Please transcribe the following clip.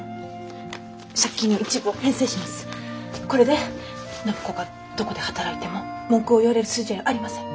これで暢子がどこで働いても文句を言われる筋合いありません。